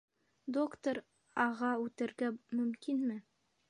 Доктор А.-ға үтергә мөмкинме?